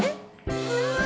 うわ！